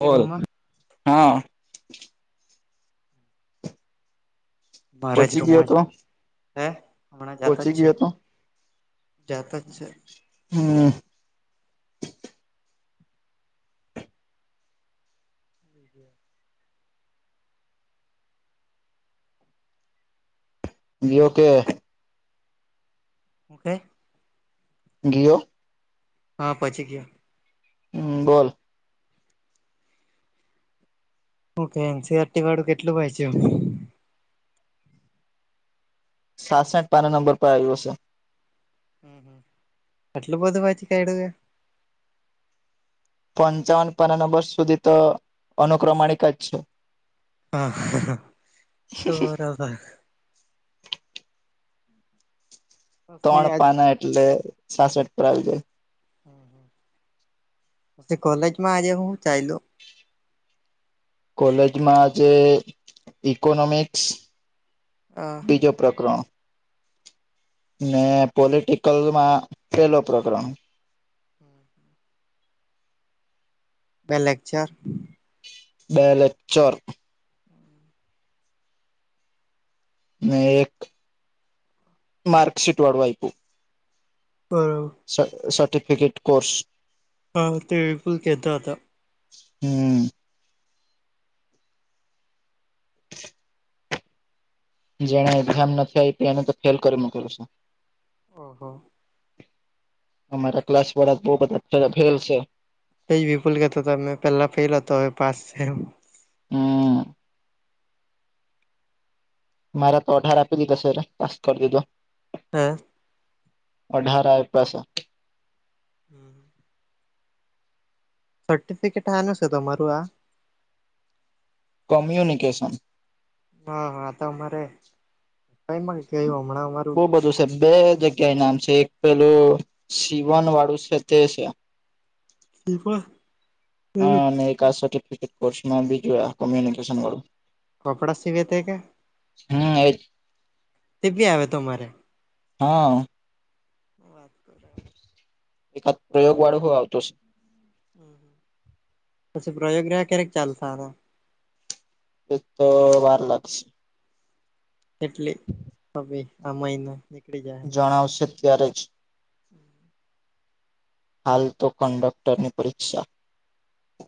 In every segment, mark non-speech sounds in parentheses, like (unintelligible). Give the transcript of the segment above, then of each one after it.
બોલ રૂમમાં હા મારા જ પહોંચી ગયો રૂમમાં જ તો હે હમણાં જાતો જ પહોંચી છે ગયો તો જાત છે હમ જી જ ગીયો ઓકે હેં ગીયો હા પછી ગયા હમ બોલ ઓકે એનસીઆરટી વાળું કેટલું વાંચ્યું સાસઠ પાના નંબર પર આવ્યું હશે હમ હ આટલું બધું વાંચી કાઈઢું તે પંચાવન પના ન વર્ષ સુધી તો અનુક્રમાણિક જ છે હા હ તો બરોબર પછી ત્રણ આજ પાના એટલે સાસઠ પર આવી જાય તે કોલેજમાં આજે હું ચાઈલુ કોલેજમાં જે ઈકોનોમિક્સ અ બીજો પ્રકરણ ને પોલિટિકલ માં પેલો પ્રકરણ હમ બે લેકચર બે લેક્ચર હમ ને એક માર્કશીટ વાળું આઇપૂ બરોબ સર્ટિફિકેટ કોર્સ હા તે વિપુલ કહેતા હતા હમ જેને એઝામ નથી આવી એને તો ફેલ કરી મુકેલ છે હહા અમારા ક્લાસ વડા બહુ બધા ફેલ છે. વિપુલ કેતોમે પેલા ફેલ હતો હવે પાસ છે. હમ. મારા તો અઢાર આપી દીધા સર પાસ કરી દીધો હા અઢાર આઈપા સે હમ સર્ટીફિકેટ હાનુ છે તમારું આ કોમ્યુનિકેશન હા હા તો અમારે ક્યું હમણાં અમારું જો સાહેબ બે જગ્યા નામ છે એક પેલું સીવન વાળું છે તે છે. શુ પણ. અને એક આ સર્ટીફિકેટ કોર્સમા બીજું આ કોમ્યુનિકેશન વાળું કપડા સિવેતે કે. હમ એજ. તે બી આવે તમારે. હા. હ વાત કરે. એકાદ પ્રયોગ વાળો હુ આવતુ હશે. પછી પ્રયોગ ના ક્યારેક ચાલશે સારા. એતો વાર લાગશે. એટલે હવે આ મહિને. જણા આવશે ત્યારે જ. (inaudible) હાલ તો કંડક્ટર ની પરીક્ષા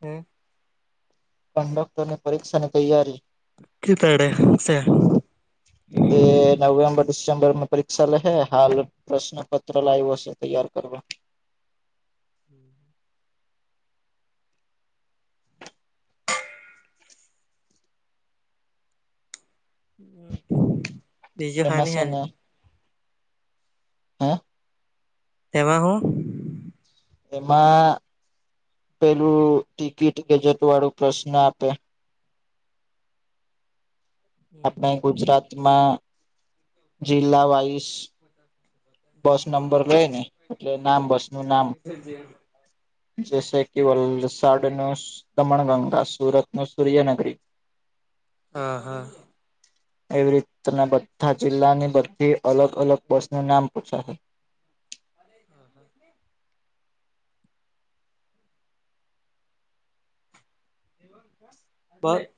હે. કંડક્ટર ની પરીક્ષાની તૈયારી. કેતાડે છે (unintelligible) એ નવેમ્બર ડિસેમ્બર માં પરીક્ષા લેહે હાલ. પ્રશ્નપત્ર લાવ્યો શુ તૈયારી કરવા. (inaudible) તેજું એમાં હાની હાની. હા. તેવા હો. એમાં પેલું ટિકિટ ગેજેટ વાળું પ્રશ્ન આપે આપણે ગુજરાતમાં જિલ્લા વાઈઝ બસ નંબર હોયને એટલે નામ બસ નું નામ જેસે કે વલસાડ નું દમણગંગા સુરત નું સૂર્યનગરી. હા હા. એવી રીતના બધા જિલ્લાની બધી અલગ અલગ બસું નામ પુછાહે. હા હા (unintelligible) પર.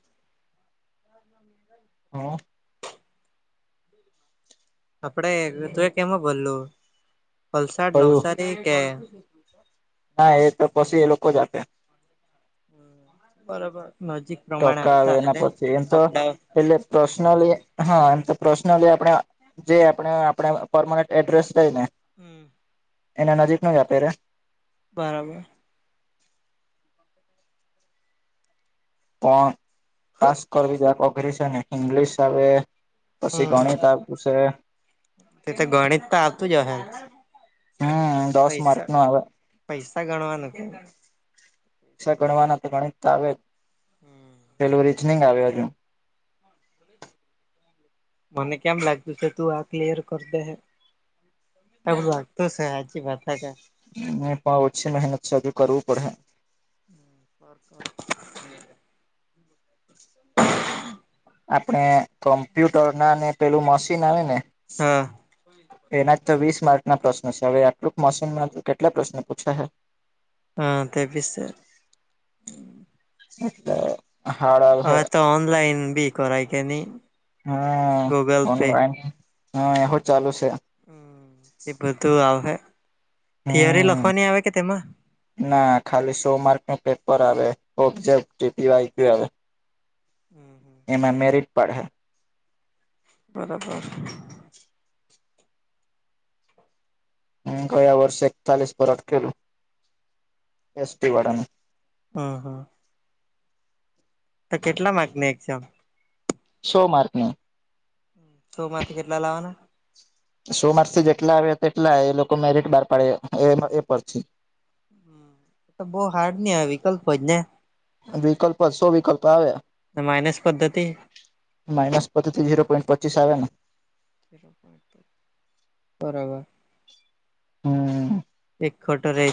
હ (inaudible) હા. આપડે તે કેમાં ભરેલું વલસાડ કયું નવસારી કે ના એ તો પછી એ લોકો જ આપે. બરાબર નજીક. પ્રમાણે ટકા આવે આપતા હે એના પછી એમ તો અપડાઉન એટલે પર્સનલી હા એમ તો પર્સનલી આપણે જે આપણે આપણે પરમનન્ટ એડ્રેસ કઈ ને હમ. એના નજીક નુ જ અત્યારે. બરાબર પણ પાસ કરવી અઘરી છે ને ઇંગ્લિશ આવે. પછી હમ ગણીત પુછે. તે તો ગણિત તો આવતું જ હશે હમ દસ માર્ક પૈસા નું આવે. પૈસા ગણવાનું કે પૈસા ગણવાના તો ગણિત આવે જ પેલું રીઝનિંગ આવે હજુ. મને કેમ લાગ્યો કે તું આ ક્લિયર કર દે? એ બધું લાગતો છે હજી બત કાઈ. પણ ઓછી મહેનત છે હજુ કરવું પડે. હ કોક (inaudible) આપણે કોમ્પ્યુટર ના ને પેલું મશીન આવે ને? હા એના જ તો વીસ માર્ક ના પ્રશ્ન છે હવે આટલુંક મશીનમાંથી કેટલા પ્રશ્નો પૂછાહે? હા તે પીસ મતલબ હાડા હા તો ઓનલાઈન બી કરાય કે ની? હમ ગૂગલ પે ઓનલાઈન એહો ચાલુ છે. એ બધું આવહે થિયરી હમ લખવાની આવે કે તેમાં? ના ખાલી સો માર્ક નુ પેપર આવે ઓબજેક્ટી (inaudible) હમ હમ એમાં મેરિટ પડે. બરાબર! ગયા વર્ષે એકતાલીસ પરત કે અટકેલુ એસટી વાળાનું. હા હા તો કેટલા માર્ક ની એક્ઝામ? શો માર્ક ની સો માંથી કેટલા લાવવાના? સો માર્સ થી જેટલા આવે તેટલા એ લોકો મેરિટ બહાર પાડે એ પરથી એ તો બહુ હાર્ડ ની આવે વિકલ્પ જ હોય ને? વિકલ્પ શો વિકલ્પ આવે. ને માઇનસ પદ્ધતિ માઇનસ પતિ થી ઝીરો પોઈન્ટ પચીસ આવે ને, બરાબર હમ ખોટો રહે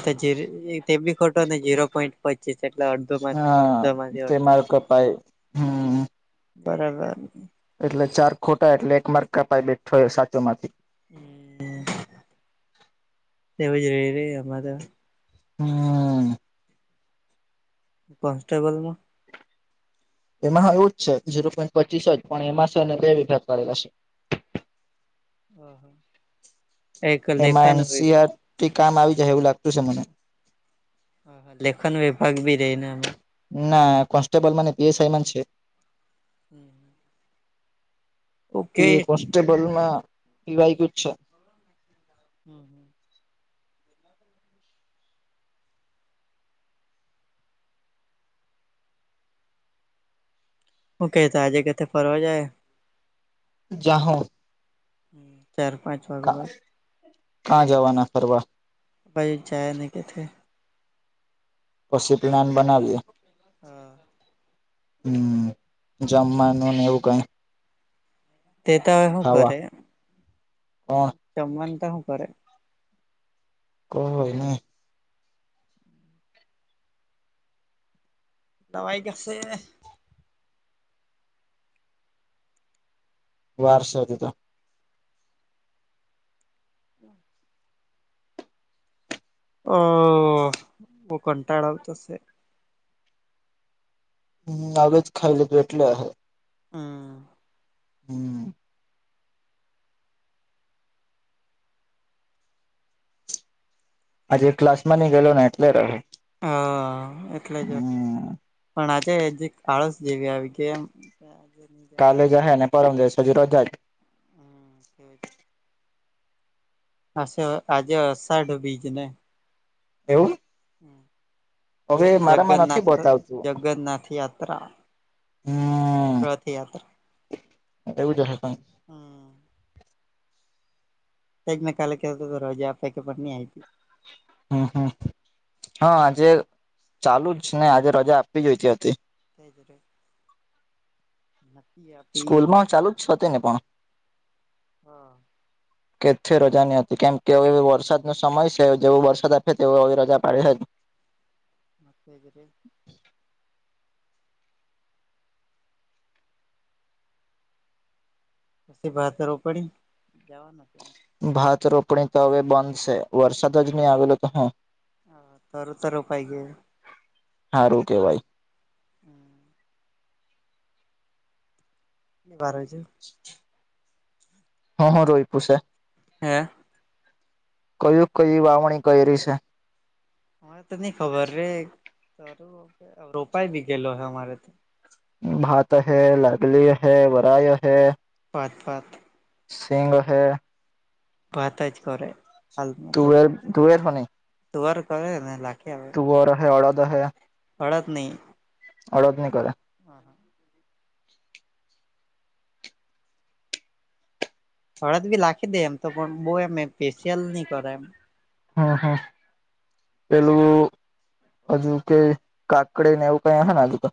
તો બી ખોટો ને જીરો પોઇન્ટ પચીસ એટલે અડધો માંથી હા અડધો માંથી તે અડધો માર્ક કપાય હમ બરાબર! એટલે ચાર ખોટા એટલે એક માર્ક કપાય બેઠો સાચોમાંથી હમ એવ જ રહી એમાં તો હમ કોન્સ્ટેબલ એમાં હો એવું જ છે ઝીરો પોઈન્ટ પચીસ જ પણ એમાં છેને બે વિભાગ પાડેલા. હ હા એમાં એનસીઆર થી કામ આવી જાય એવું લાગતું છે મને. લેખન વિભાગ ભી રેઇ ને. ના કોન્સ્ટેબલ મને પીએસઆઈ મા છે. હમ હમ એ કોન્સ્ટેબલમાં વાઈક જ છે. હમ હમ હું કહેતા આજે કે થે ફરવા જાયે! જાહુ ચાર પાંચ વાગે કા જવાના ફરવા? ભાઈ જયા ની કે છે. પછી પ્લાન બનાવીએ. હા હમ જમવાનું ને એવું કઈ.? તેતાઓ હું ખાવા કરે કોણ સમાનતા હું કરે. કો હોય. જવાઈ કેશે. વાર છે‌ અજુ તો. હમ. આ ઓ કનટાડ આવતો‌ છે. નવે જ ખાય લીધું એટલે અહે. હમ. હમ. હજે ક્લાસ માં ની ગેલો ને એટલે રહે. હ એટલે જ હમ પણ આજે હજી આળસ જેવી આવી કે એમ. હજે નિજ. કાલે જા હે ને પરમ દિવશે પછી રજા જ. હમ છે. હછ આજે અ સાઢ બીજ ને. એવું. હવે હ મારામાં નથી જગનાથ બતાવતું જગન્નાથ યાત્રા. હમ રથયાત્રા એવું જ હશે પણ હમ. પ મે કાલે કેતો રોજા આપ પે પણનીહ હતી. હમ હમ હા આજે ચાલુ જ ને આજે રજા આપી જોઈતી હતી. ફદરે. હકી આપ. સ્કૂલમાં ચાલુ જ છે તેને પણ. હા કે છે રજા નહી હતી કેમ કે વરસાદ નો સમય છે જેવો વરસાદ આપે તેવ રજા પાડે છે. મ જરે. એ‌ ભાત રોપણી જવાનું. ભાત રોપણી તો હવે બંધ છે વરસાદ જ નહી આવેલો તો હું હા તરૂ તો‌ રોપાઈ ગયું. સારું કેવાય. હમ. બારજું. શ. હ હ રોપીયુ છે. હે. કયું કયી વાવણી કરી છે.? અરે તો નહી ખબર રે રોપાઈ બી ગેલો હ અમારે તો. ભાત અહૈ નાગલી અહૈ વરાય અહે પત પત. સિંગ અહે. ભાત જ કરે હાલમાં તો તુવેર જો તુવેર તુવાર કરે લાગ તુ વર અહૈ અળદ અહૈ. અડદ નહીં. અડદ ની કરે. હા હા. થડત બી લખી દે એમ તો પણ બહ એમમ સ્પેશિયલ નહી કરે એમ. હા હા. પેલું હજુ કે કાકડી ને એવું કઈ હ ને હજુ તો.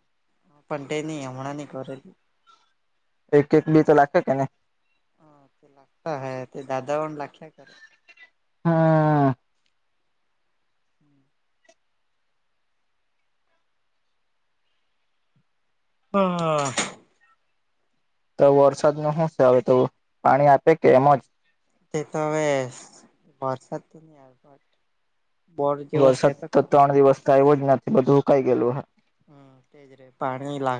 પટેે ની હમણાં, ની કરે. એક એક બી તો લખે કેને. હ, તે લાગતા હૈ, તે દાદા ઓણ લખ્યા કરે. હા. હા, હા. તો વરસાદ નુ હુુ સે હવે, તો પાણી આપે કે એમ જ? તે તો હવે વરસાદ તો ની આવે. બોર હ, જેવો છે તો સતર ખરો ત્રણ દિવસ તો આવ્યો જ નથી, બધું હું કંઈ ગયેલું હે. પાણી લા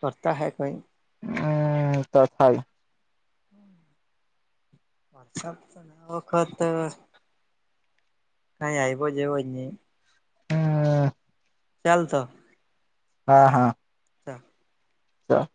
કરતા હે, કઈ? હમ, તો થાય. વરસાદ તો આ વખત કાઈ આવ્યો જેવો જ ની. હમ ચાલ તો. હા, હા. ચાલ. ચાલ.